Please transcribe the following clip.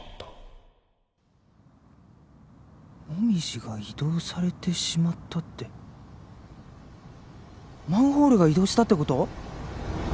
「モミジが移動されてしまった」ってマンホールが移動したってこと？